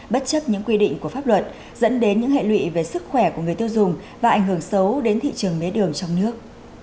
bất chấp những quy định của pháp luật dẫn đến những hệ lụy về sức khỏe của người tiêu dùng và ảnh hưởng xấu đến thị trường mía đường trong nước